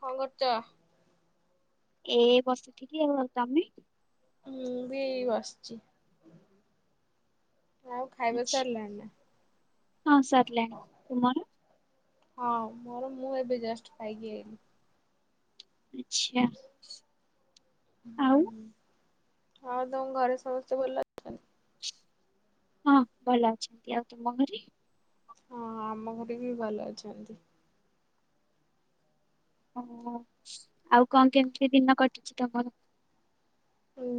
କଣ କରୁଚ? ଏ ବସିଥିଲିକି ଆଉ ତମେ? ମୁଁ ବି ବସିଛି। ଆଉ ଖାଇବା ଆଛା ସାରିଲାଣି ହଁ ସରିଲାଣି ନା? ତୁମର? ହଁ। ମୋର ମୁଁ ଏବେ ଜଷ୍ଟ ଖାଇକି ଆଇଲିି। ଆଛା ଆଉ। ହୁଁ ଆଉ ତମ ଘରେ ସମସ୍ତେ ଭଲ ଅଛନ୍ତି? ହଁ। ଭଲ ଅଛନ୍ତି। ଆଉ ତୁମ ଘରେ? ହଁ। ଆମ ଘରେ ବି ଭଲ ଅଛନ୍ତି। ଓ ହୋ ଆଉ କଣ କେମିତି ଦିନ କଟିଛି ତମର?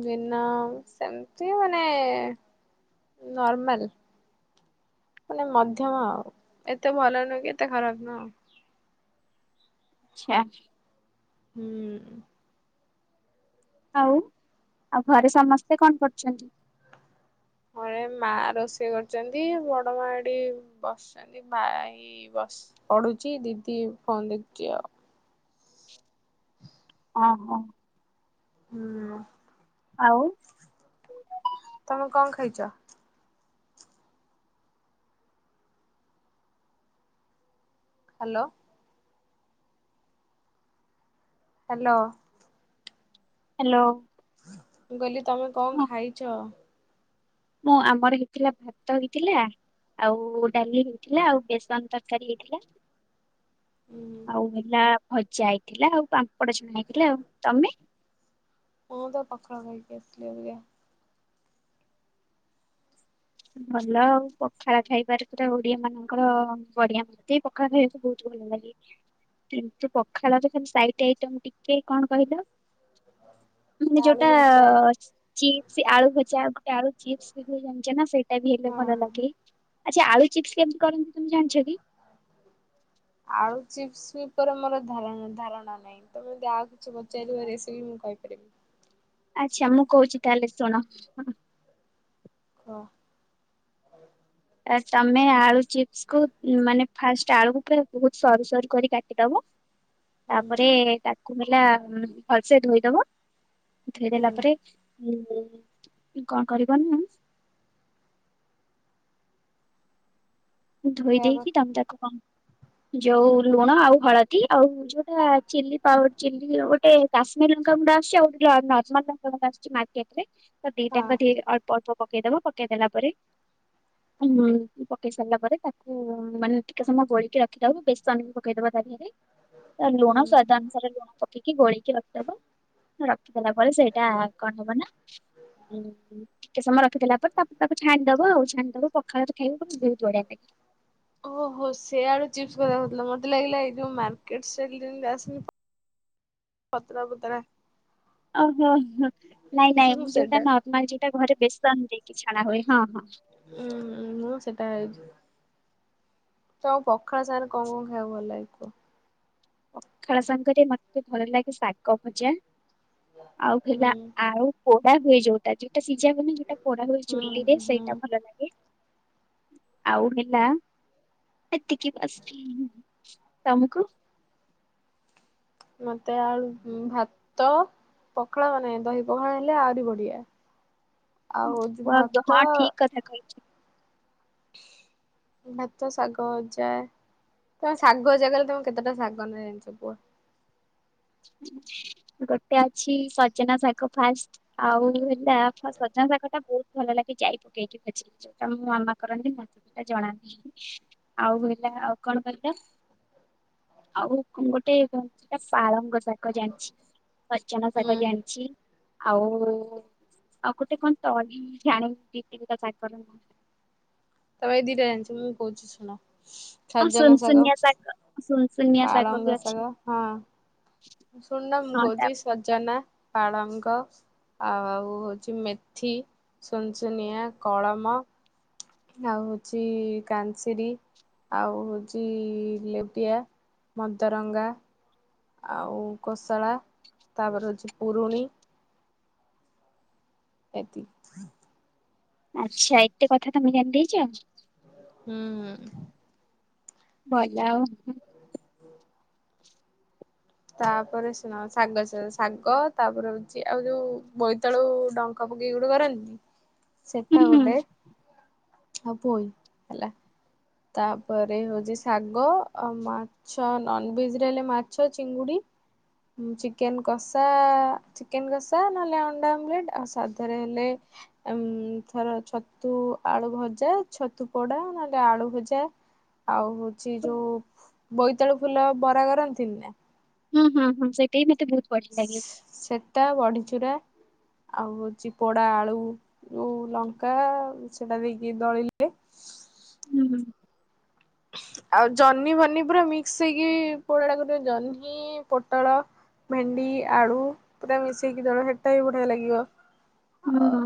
ବିନା ସେମତି ମାନେ। ନର୍ମାଲ। ମାନେ ମଧ୍ୟମ ଆଉ ଏତେ ଭଲ ନୁହଁ କି ଏତେ ଖରାପ ନୁହଁ ଆଉ। ଆଚ୍ଛା। ହୁଁ। ଆଉ ଆଉ ଘରେ ସମସ୍ତେ କଣ କରୁଛନ୍ତି? ଘରେ ମା ରୋଷେଇ କରୁଛନ୍ତି। ବଡ ମା ଏଠି ବସିଛନ୍ତି। ଭାଇ ବ ପଢୁଛି ଦିଦି ଫୋନ ଦେଖୁଛି ଆଉ। ହଁ ହଁ। ହୁଁ। ଆଉ? ତମେ କଣ ଖାଇଛ? ହ୍ୟାଲୋ। ହ୍ୟାଲୋ। ହ୍ୟାଲୋ। ମୁ କହିଲି ତମେ କଣ ହଁ ଖାଇଛ? ମୁଁ ଆମର ହେଇଥିଲା ଭାତ ହେଇଥିଲା ଆଉ ଡାଲି ହେଇଥିଲା ଆଉ ବେସନ ତରକାରୀ ହେଇଥିଲା। ହୁଁ ଆଉ ହେଲା ଭଜା ହେଇଥିଲା ଆଉ ପାମ୍ପଡ ଛଣା ହେଇଥିଲା ଆଉ। ତମେ? ଓ ତ ପଖାଳ ଖାଇକି ଆସିଲି ଏବେ। ଭଲ ଆଉ ପଖାଳ ଖାଇବାରେ ପୁରା ଓଡିଆ ମାନଙ୍କର ବଢିଆ ପଖାଳ ଖାଇବା ସ ବହୁତ। ଭଲ ଲାଗେ। କି ପଖାଳର ତ ସାଇଟ୍ ଆଇଟମ ଟିକେ କଣ କହିଲ? ମାନେ ଆଳୁ ଯୋଉଟା ଭଜା ଚିପ୍ସ ଆଳୁ ଭଜା ଗୋଟେ ଆଳୁ ଚିପ୍ସ ବି ଜାଣିଛ ନା ସେଇ ଟା ବି ହେଲେ ହଁ। ଭଲ ଲାଗେ ଆଚ୍ଛା ଆଳୁ ଚିପ୍ସ କେମିତି କରନ୍ତି ତମେ ଜାଣିଛ କି? ଆଳୁ ଚିପ୍ସ ଉପରେ ମୋର ଧାରଣା ନାହିଁ। ତମେ ଯ ଆଉ କିଛି ପଚାରିବ ରେଶିପି କହିପାରିବି। ଆଚ୍ଛା ମୁଁ କହୁଛି ତାହେଲେ ଶୁଣ। କ। ଆ ତମେ ଆଳୁ ଚିପ୍ସକୁୁ ମାନେ ଫାଷ୍ଟ ଆଳୁକୁ ବହୁତ ସରୁ ସରୁ କରି କାଟିଦବ ହୁଁ ତାପରେ କୁହେଲା ଭଲସେ ଧୋଇ ଦବ ହୁଁ ଧୋଇଦଲା ପରେ କଣ କରିବନି ଧୋଇ ଦେଇକି ତମେ ତାକୁ କମ୍ ହ। ଯୋଉ ଲୁଣ ଆଉ ହଳଦୀ ଆଉ ଯୋଉଟା ଚିଲି ପାଉ ଚିଲି ଗୋଟେ କାଶ୍ମୀର ଲଙ୍କା ଗୁ ଦସ୍ ଯୋଉ ଆ ନର୍ମାଲ ପାଉଡର ଆସୁଛି ମାର୍କେଟ ରେ। ତ ହଁ ଦିଟାଙ୍କ ଟିକେ ଅଳ୍ପ ଅଳ୍ପ ପକେଇ ଦବ ପକେଇଦେଲା ପରେ ପକେଇସା ସାରିଲା ପରେ ତାକୁ ମାନେ ଟିକେ ସମୟ ଗୋଳିକି ରଖିଦବ ବେସନ ବି ପକେଇଦବା ସେଥିରେ ତା ଲୁଣ ହୁଁ। ସ୍ୱାଦ ଅନୁସାରେ ଲୁଣ ପକେଇକି ଗୋଳେଇକି ରଖିଦବ। ରଖିଦେଲା ପରେ ସେଇଟା କଣ ହବ ନା ଟିକେ ସମୟ ର ଖି ଦେଲା ପରେ ତା ତାକୁ ଛାଣିଦବ ଆଉ ଛାଣିଦବ ପଖାଳରେ ଖାଇବ ବହୁତ୍ ବଢିଆ ଲାଗିବ। ଓହୋ ସେଆଡୁ ଚିପ୍ସ କଥା ହଉ ଥିଲା ମତେ ଲାଗିଲା ଏଇ ଯୋଉ ମାର୍କେଟ ପତଳା ପତଳା। ଓହୋ ହୋ ନାଇଁ ନାଇଁ ହୁଁ ମୁଁ ସେଟା ଯୋଉଟା ନର୍ମାଲ ଯୋଉଟା ଘରେ ବେସନ ଦେଇକି ଛଣା ହୁଏ ହଁ ହଁ। ଉୁଁ ମୁଁ ସେଟା ତ ପଖାଳ ସାଙ୍ଗରେ କଣ କଣ ଖାଇବାକୁ ଭଲ ଲାଗେ କୁହ? ପଖାଳ ସାଙ୍ଗରେ ମତେ ଭଲ ଲାଗେ ଶାଗ ଭଜା। ଆଉ ହେଲା ହୁଁ। ଆଉ ପୋଡା ହୁଏ ଯୋଉଟା ଯୋଉଟା ଯ ମ ଯୋଉଟା ପୋଡା ହୁଏ ହୁଁ ଚୁଲିରେ ହୁଁ ସେଇଟା ଭଲ ଲାଗେ। ଆଉ ହେଲା ଏତିକି ବସି ତମକୁ ମୋତେ ଆଳୁ ଭାତ ପଖାଳ ମାନେ ଦହି ପଖାଳ ହେଲେ ଆହୁରି ବଢିଆ। ଆଉ ୱାଓ, ତ ହଁ ଭାତ ଠିକ କଥା କହିଛ। ଭାତ ଶାଗ ଭଜା। ତମେ ଶାଗ ଜାଗାରେ, ତମେ କେତେଟା ଶାଗ ନା ଜା ଣିଛ କୁହ? ଗୋଟେ ଅଛି ସଜନା ଶାଗ ଫାଷ୍ଟ। ଆଉ ହେଲା ସଜନା ଶାଗ ଟା ବହୁତ ଭଲ ଲାଗେ ଯାଇ ପକେଇକି ବଜିି ଯୋଉଟା ମୋ ମାମା କରନ୍ତି ମତଟା ଜଣାନ୍ତିି ଆଉ ହେଲା ଆଉ କଣ କରିବା? ହ। [inaudible] ଆଉ ଗୋଟେ ସେଟା ପାଳଙ୍ଗ ଶାଗ। ଶାଗ ଜାଣିଛି, ସଜନା ଶାଗ ହୁଁ ଜାଣିଛି ଆଉ ଆଉ ଗୋଟେ କଣ ତଣି ଛାଣି କି କର ତ ଏ ଦିଟା ଜାଣିଛ, ମୁଁ କହୁଛି ଶୁଣ? ଆଉ ସଜନା ଶାଗ, ସୁନସୁନିଆ ସୁନସୁନିଆ ଶାଗ ବି ପାଳଙ୍ଗ ଅଛି ଶାଗ, ହଁ। ଶୁଣୁନ ମୁଁ ହଁ ତା କହୁଚି -ସଜନା, ପାଳଙ୍ଗ ଆଉ ହଉଚି ମେଥି, ସୁନସୁନିଆ, କଳମ ଆଉ ହଉଚି କାନସିର ଆଉ ହଉଚି ଲେଉଟିଆ, ମଦରଙ୍ଗା ଆଉ କୋଶଳା ତାପରେ ହଉଚି ପୁରୁଣି ଏତିକି। ଆଚ୍ଛା, ଏତେ କଥା ତମେ ଜଣି ଦେଇଚ? ହୁଁ ହୁଁ। ଭଲ ଆଉ ତାପରେ ଶୁଣ ଶାଗ, ଶାଗ ତାପରେ ହଉଛି ଆଉ ଯୋଉ ବୋଇତାଳୁ ଡଙ୍କ ପକେଇ ଗୋଟେ କରନ୍ତିନି। ହୁଁ ସେଟା ହୁଁ ଗୋଟେ ଆଉ ପୋଇ ହେଲା। ତାପରେ ହଉଚି ଶାଗ ଆଉ ମାଛ, ନନ୍ ଭେଜ୍ ରେ ହେଲେ ମାଛ ଚିଙ୍ଗୁଡି। ଚିକେନ୍ କସା, ଚିକେନ୍ କସା ନହେଲେ ଅଣ୍ଡା ଆମଲେଟ୍ ଆଉ ସାଧାରେ ହେଲେ ଥରେ ଛତୁ ଆଳୁ ଭଜା, ଛତୁ ପୋଡା, ନହେଲେ ଆଳୁ ଭଜା ଆଉ ହଉଚି ଯୋଉ ବୋଇତାଳୁ ଫୁଲ ବରା, କରନ୍ତିନି ନା। ହୁଁ ହୁଁ ହୁଁ ସେଇଟା ବି ମତେ ବହୁତ ବଢିଆ ଲାଗେ। ଯଉଟ [unintelligible] ଆଉ ହଉଚି ପୋଡା ଆଳୁ, ଯୋଉ ଲଙ୍କା ସେଟା ବି ଦେଇକି ଦଳିଲେ [unintelligible] ହୁଁ ହୁଁ ହ [unintelligible] ଆଉ ଜହ୍ନି ବହ୍ନି ପୁରା ମିକ୍ସ୍ ହେଇକି ପୋଡ଼ାଟା କରି ଜହ୍ନି, ପୋଟଳ ଭେଣ୍ଡି, ଆଳୁ, ପୁରା ମିଶେଇକି ଦଳ ସେଟା ବି ବଢିଆ ଲାଗିବ। ହୁଁ। ଆଉ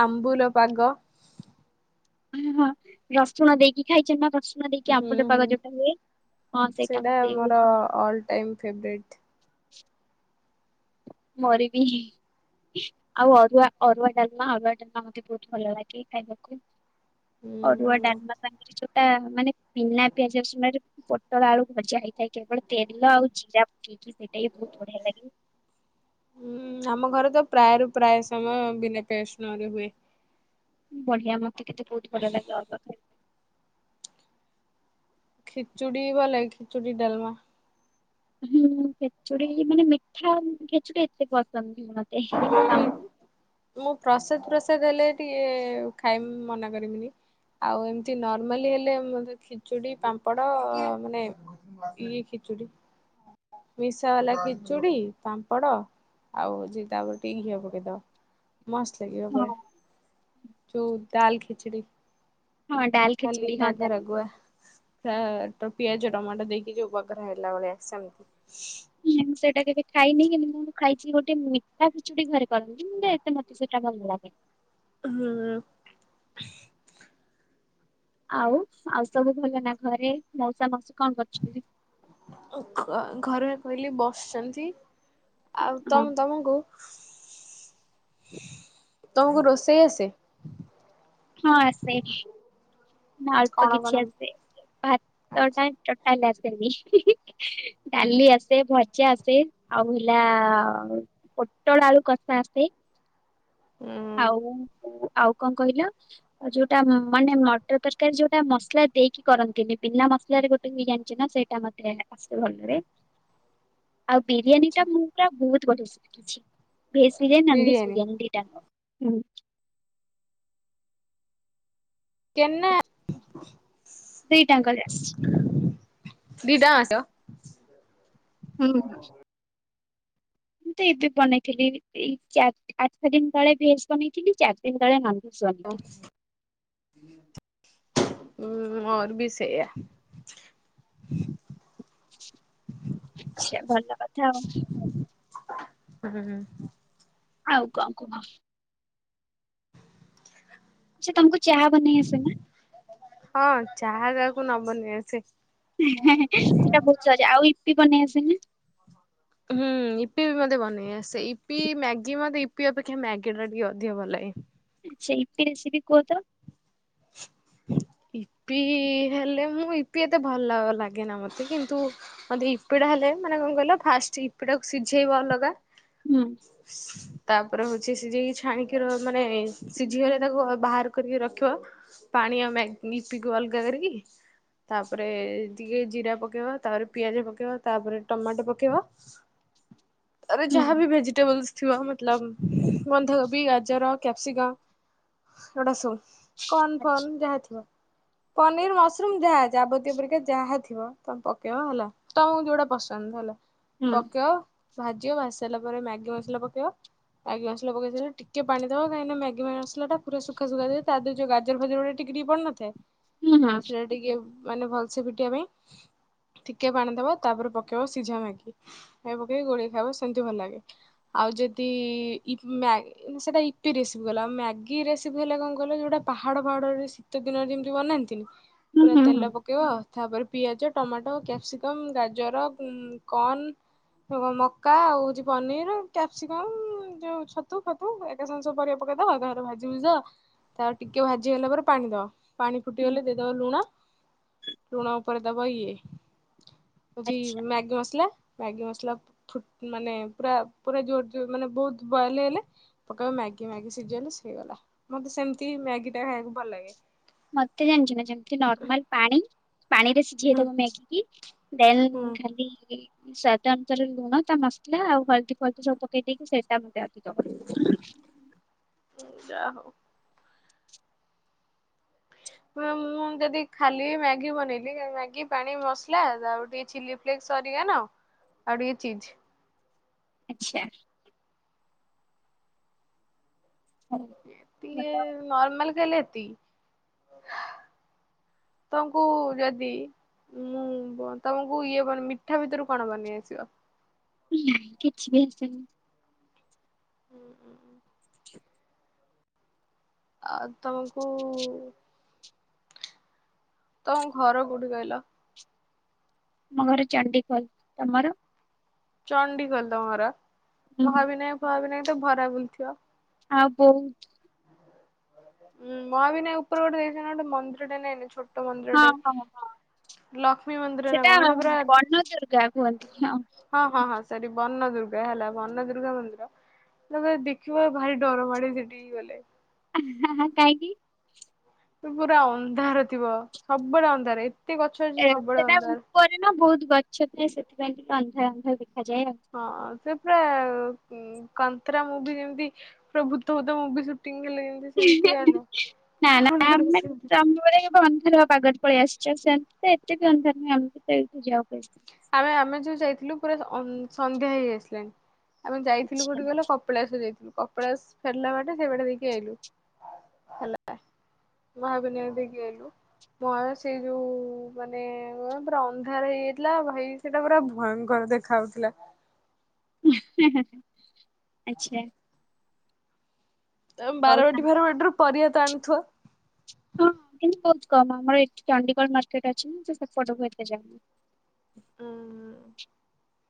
ଆମ୍ବୁଲ ପାଗ। ହୁଁ, ହଁ, ରସୁଣ ଦେଇକି ଖାଇଛ ନା ରସୁଣ ଦେଇକି ହୁଁ ଆମ୍ବୁଲ ହୁଁ ପାଗ ଜଉଟା ହୁଏ। ହଁ ସେଇଟା ମତେ ବି ବହୁତ ମୋର ବଢିଆ ଅଲ୍ ଟାଇମ୍ ଫେବ୍ରେଟ୍। [unintelligible] ମୋର ବି ଆଉ ଅରୁଆ, ଅରୁଆ ଡାଲମା, ଅରୁଆ ଡାଲମା ମତେ ବହୁତ ଭଲ ଲାଗେ ଖାଇବାକୁ। ଅରୁଆ ହୁଁ ଡାଲ୍ ମା ପାଇଁ ତା ମାନେ ବିନା ପିଆଜ ରସୁଣ ରେ ପୋଟଳ ଆଳୁ ଭଜା ହେଇଥାଏ, କେବଳ ତେଲ ଆଉ ଜିରା ପକେଇ ସେଇଟା ବି ବହୁତ ବଢିଆ ଲାଗେ। ହୁଁ ଆମ ଘରେ ତ ପ୍ରାୟରୁ ପ୍ରାୟ ସମୟ ବିନା ପିଆଜ ରସୁଣ ରେ ହୁଏ। ବଢିଆ ମତେ କିନ୍ତୁ ବହୁତ ଭଲ ଲାଗେ, ଅଲଗା ଖିଚୁଡ଼ି ଭଲେ, ଖିଚୁଡ଼ିି ଡାଲମା। ହୁଁ ଖେଚୁଡି ମାନେ, ମିଠା ଖେଚୁଡି ଏତେ ପସନ୍ଦ। ମତେ ହି ଖାଇ ଦଉନୁ। [unintelligible] ମୁଁ ପ୍ରସାଦ, ପ୍ରସାଦ ହେଲେ ଟିକେ ଖାଇମି ମନା କରିମିନି। ଆଉ ଏମିତି ନର୍ମାଲି ହେଲେ ମ ଖିଚୁଡି ପାମ୍ପଡ ମାନେ ଇଏ ଚୁଡି ମିଶା ବାଲା ଖିଚୁଡି ପାମ୍ପଡ ଆଉ ହଉଚି ତାପରେ ଟିକେ ଘିଅ ପକେଇଦବା ମସ୍ତ୍ ଲାଗିବ ହଁ। ପୁରା ଯୋଉ ଡାଲ୍ ଖିଚିଡ଼ି ହଁ ଡାଲ ଖାଲି ଖେଚୁଡି ହଁ ରାଗ ତା ରାଗୁଆ ତା ତ ପିଆଜ ଟମାଟୋ ଦେଇକି ଯୋଉ ପକାର ହେଲା ଭଳିଆ ସେମିତି ଇଏମ ସେଟ୍ ସେଟା କେବେ ଖାଇନି କିନ୍ତୁ ଖାଇଛି ଗୋଟେ ମିଠା ଖିଚୁଡି ଘରେ କରନ୍ତିୁ, ଏତେ ମତେ ସେଇଟା ଭଲ ଲାଗେ ହଁ। ଆଉ ଆଉ ସବୁ ଭଲ ନା ଘରେ ମସା ମସ ଘରେ କହିଲି ବସିଛନ୍ତି। ଆଉ ହଁ ତମ ତମକୁ ତମକୁ ରୋଷେଇ ଆସେ? ହଁ ଆସେ। ନା ଅଳ୍ପ କଣ କଣ? କିଛି ଆସେ ଭାତ ଆଛା ଟା ଟଟାଲି ଆସେ ଡାଲି ଆସେ ଭଜା ଆସେ ଆଉ ହେଲା ପଟଳ ଆଳୁ କସ ଆସେ ହୁଁ ଆଉ ଆଉ କଣ କହିଲ ଯୋଉଟା ମାନେ ମଟର ତରକାରୀ ଯୋଉଟା ମସଲା ଦେଇକି କରନ୍ତିନି ପନା ମସଲାରେ ଗୋଟେ ବିରି ଜଛି ନା ସେଇଟା ମାତେ ଆସେ ଭଲରେ ହ ଆଉ ବିରିୟାନୀ ଟା ମୁଁ ପୁରା ବହୁତ ବଢିଆ ଶିଖିଛି, veg biryani non veg biryani ଦିଟା ନ ହୁଁ। କେନା ସେଇଟାଙ୍କଲ ଦିଦା ମାଛ ହୁଁ। ମୁଁ ତ ଏବେ ବନେଇଥିଲି ଏଇ ଚ ଆଠ ଦିନ ତଳେ ଭେଜ ବନେଇଥିଲି, ଚାରି ଦିନ ତଳେ ନ ହଁ। ହୁଁ ବି ସେଇ ଆ ଆଛା ଭଲ କଥା ଆଉ। ହୁଁ ହ। ଆଉ କ ଆଉ କ ଆଛା ତମକୁ ଚାହା ବନେଇ ଆସେ ନା? ହଁ ଚାହା ଯାହାକୁ ନ ବନେଇ ଆ ସେ ସେଇଟା ବହୁତଛି ଆଉ ଇପି ବନେଇ ଆସେ? ହୁଁ ଇପି ବି ମତେ ବନେଇ ଆସ ଇି ମଗି ମତେ ଇି ଅପେକ୍ଷା ମ୍ୟାଗି ଟା ଟିକେ ଅଧିକ ଭଲ ଲାଗେ। ଆ ସେ ଏଇପେ ଆସିବି କୁହ ତ? [inaudible] ଇପି ହେଲେ ମୁଁ ଇପି ଏତେ ଭଲ ଲାଗେନା ମତେ କିନ୍ତୁ ମତେ ଇ ହେଲେ ମାନେ କଣ କହିଲ ଫାଷ୍ଟ ଏପଡା ସିଝେଇବ ଅଲଗା ହୁଁ ତାପରେ ହଉଛି ସିଝେଇକି ଛାଣିକି ର ମାନେ, ସିଝିଗଲେ ତାକୁ ବାହାର କରିକି ରଖିବା ପାଣିଆମେ ନିପିକ ଆଲ କ କରିକି ତାପରେ ଟିକେ ଜିରା ପକେଇବା, ତାପରେ ପିଆଜ ପକେଇବା ତାପରେ ଟମାଟୋ ପକେଇବା ରେ ହୁଁ। ଯାହାବ ଭେଜିଟେବଲସ ଥିବ ମେ ମଲ ବନ୍ଧକୋବି ଗାଜର କ୍ୟାପ୍ସିକା ଏଟା ସବ କନ ଫନ୍ ଯାହା ଥିବ ପନିର ମସରୁମ ଯାହା ଯାବତୀୟ ପରକ୍ଷା ଯାହା ଥିବ, ତମେ ପକେଇବା ହେଲା ତମକୁ ଯୋଉଟା ପସନ୍ଦ ହେଲା ହୁଁ ପକେଇଅ ଭାଜ ଭାଜି ସାରିଲା ପରେ ମ୍ୟାଗି ମସଲା ପକେଇବ ମ୍ୟାଗି ମସଲା ପକେଇ ସାରା ଟିକେ ପାଣି, ଦବା କାହିଁକି ମ୍ୟାଗି ମସଲା ପୁରା ସୁଖା ଦେ ତା ଦେରେ ଯୋଉ ଗାଜର ଭାଜଲ ଗୋଟେ ଟିକେ ପଡିିନଥାଏ ହୁଁ ହୁଁ ସେଟା ଟିକେ ମାନେ ଭଲସେ ପିଟିବା ପାଇଁ ଟିକେ ପାଣି ଦବା ତାପରେ ପକେଇବ, ସିଝା ମ୍ୟାଗି ମ ପକେଇକି ଗୋଳେଇ ଖାଇବ ସେମତି ଭଲ ଲାଗେ ଆଉ ଯଦି ଇ ପ ସେଟା ଇପି ରେସିପି ଗଲା ଆଉ ମାଗି ରେସିପି ହେଲା କଣ କହିଲ ଜଉଟା ପାହାଡ ପାହାଡରେ ଶୀତ ଦିନରେ ଯେମିତି ବନାନ୍ତିନି ହୁଁ ପୁରା ହୁଁ ତେଲ ପକେଇବ ଆଉ ତାପରେ ପିଆଜ ଟମାଟୋ କ୍ୟାପସିକମ୍ ଗାଜର କନ କଣ ମକା ଆଉ ହଉଛି ପନିର କ୍ୟାପସିକମ ଯୋଉ ଛତୁ ଫତୁ ଏକା ସାଙ୍ଗେ ସବୁ ପରିବା ପକେଇଦବା ତାପରେ ରେ ଭାଜି ଭୁଜି ଦବା ତା ଟିକେ ଭାଜିଗଲା ପରେ ପାଣି ଦବା ପାଣି ହୁଁ। ଫୁଟିଗଲେ ଦେଇଦବ ଲୁଣ ଲୁଣ ଉପରେ ଦବ ଇଏ ମାଗି ହଉଚି ଆଛା ମସଲା। ମ୍ୟାଗି ମସଲା ଫୁ ମାନେ ପୁରା ପୁରା ଜୋରୋ ଜୋର ମାନେ ବହୁତ ବଏଲ ହେଲେ ପକେଇବା ମ୍ୟାଗି ମଗି ସିଝିଲେ ସିଗଲା ମତେ ସେମିତି ମ୍ୟାଗି ଟା ଖାଇବାକୁ ଭଲ ଲାଗେ। ମତେ ଜାଣିଛ ନା ଯେମତି ନର୍ମାଲ ପାଣି। ପାଣିରେ ହୁଁ ସିଝେଇଦବ ମ୍ୟାଗିକି ଦେନ୍ ହୁଁ। ଖାଲି ସାଧାନ ତର ଲୁଣ ତା ମସଲା ଆଉ ହଳଦୀ ଫଳଦି ସବୁ ପକେଇ ଦେଇକି ସେଇଟାବ। ଯାହାଉ। ମାମ ମୁଁ ଯଦି ଖାଲି ମ୍ୟାଗି ବନେଇଲି ମାଗି ପାଣି ମସଲା ଆଉ ଟିକେ ଛିଲି ଫ୍ଲେଗ ସରିଗଲ ଆଉ ଟିକେ ଚିଜ। ଆଚ୍ଛା। ଏତିକି ଭଲ ନର୍ମାଲ କଲେ ଏତିକି, ତଙ୍କୁ ଯଦି, ମୁଁ ଵ ତମକୁ ଇଏ ମାନେ ମିଠା ଭିତରୁ କଣ ବନେଇ ଆସିବ। ନାଇଁ କିଛି ବି ଆସେନି। ହୁଁ ଉ ଉଁ ଆ ତମକୁ ଉ ତମ ଘର କୋଉଠି କହିଲ? ଆମ ଘର ଚଣ୍ଡିଖୋଲ ତମର? ଚଣ୍ଡିଖୋଲ ତମଘର ହୁଁ। ମହାବିନାୟକ ଫହାବିନାୟ ତ ଭରା ବୁଲିଥିବ। ଆଉ ବହୁତ। ଉୁଁ ମହାବିନାୟକ ଉପର ଗୋଟେ ଦେଇଛନ୍ତି ଗୋଟେ ମନ୍ଦିର ଟା ନାଇନ ଛୋ ହଁ ହଁ ହଁ। ଲକ୍ଷ୍ମୀ ମନ୍ଦିର ନା ସେଟା କଣ ହେଟା ପୁରା ବନ ଦୁର୍ଗା କୁହନ୍ତି ହଁ। ହଁ ହଁ ସରି ବର୍ନ ଦୁର୍ଗା ହେଲା ବନ ଦୁର୍ଗା ମନ୍ଦିର। ତାକୁ ଦେଖିବ ଭାରି ଡର ମାଡେ ସେଠିକି ଗଲେ। ହେଁ ହେଁ କାହିଁକି। ପୁରା ଅନ୍ଧାର ଥିବ ସବୁବେଡେ ଅନ୍ଧାର। ଗଛ ଅଛି ଏୟା ସବୁବେଳେ ସେଇଟା ଅନ୍ଧାର। ଉପରେ ନା ବହୁତ ଗଛ ଥାଏ ସେଥିପାଇଁ ଟିକେ ଅନ୍ଧାର ଅନ୍ଧାର ଦେଖାଯାଏ ଆଉ। ହଁ ସେ ପୁରା କନ୍ତରା ମୁଭି ଯେମିତି ପୁରା ଭୂତ ଭୂତ ମୁଭି ସୁଟି ନା ନା ଆମେ ତମ ଭଳିଆ ବନ୍ଧର ହବା ପାଗଟା। ପଳେଇ ଆସିଛ ସେମତି ତ ଏତ ବି ଅନ୍ଧ ନୁହଁ ଏମତି ତ ଏଇଠି ଯବ ଅଛି। ଆମେ ଆମେ ଯୋଉ ଯାଇଥିଲୁ ପୁରା ଅ ସନ୍ଧ୍ୟା ହେଇ ଆାସିଲାଣି। ଆମେ ଯାଇଥିଲୁ ଆଚ୍ଛା କୋଉଠିକି ଗଲେ କପିଳାସ ଯାଇଥିଲୁ କପିଳାସ ଫେରିଲା ବାଟେ ସେଇ ବାଟେ ଦେଇକି ଆଇଲୁ। ହେଲା ମହାବିନାୟକ ଦେଇକି ଆଇଲୁ। ମ ସେଇ ଯୋଉ ମାନେ ପ୍ରା ଅନ୍ଧାର ହେଇଯାଇଥିଲା। ଭାଇ ସେଟା ପୁରା ଭୟଙ୍କର ଦେଖା ଜାଉଥିଲା। ହେଁ ହେଁ ହେଁ ହେଁ ଆଚଛା। ବାରବାଟୀ ସାଙ୍ଗ। ଫାରବାଟିରୁ ପରିବା ତ ଆଣୁଥିବ? ହଁ କିନ୍ତୁ ବହୁତ କମ ଆମର ଏଠି ଚଣ୍ଡିଖୋଲ ମାର୍କେଟ ଅଛି ସେପଟକୁ ହେତେ ଯାଉନୁ। ହୁଁ